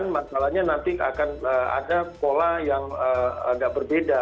masalahnya nanti akan ada pola yang agak berbeda